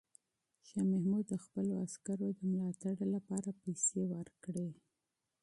شاه محمود د خپلو عسکرو د ملاتړ لپاره پیسې ورکړې.